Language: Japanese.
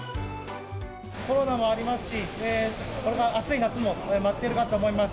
コロナもありますし、これから暑い夏も待っているかと思います。